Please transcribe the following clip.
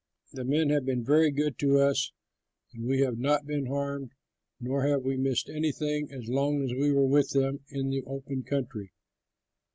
The men have been very good to us and we have not been harmed nor have we missed anything, as long as we were with them in the open country.